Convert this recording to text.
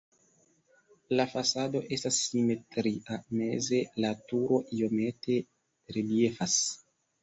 La fasado estas simetria, meze la turo iomete reliefas.